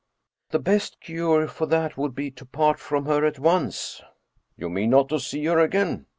" The best cure for that would be to part from her at once." " You mean not to see her again